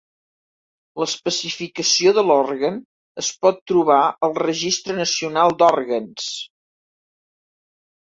L'especificació de l'òrgan es pot trobar al Registre Nacional d'Òrgans.